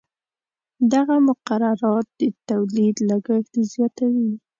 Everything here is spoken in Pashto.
دغه مقررات د تولید لګښت زیاتوي.